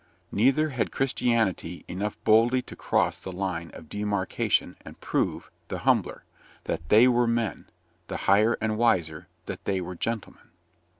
Neither had Christianity enough boldly to cross the line of demarcation, and prove, the humbler, that they were men, the higher and wiser, that they were gentlemen.